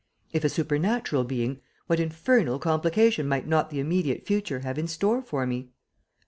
If a supernatural being, what infernal complication might not the immediate future have in store for me?